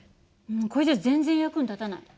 これじゃ全然役に立たない。